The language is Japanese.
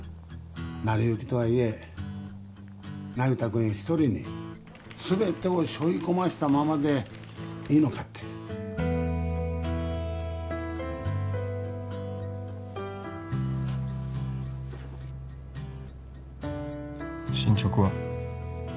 成り行きとはいえ那由他君一人に全てをしょい込ませたままでいいのかって進捗は？